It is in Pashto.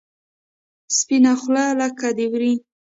سپینه خوله لکه د ورې.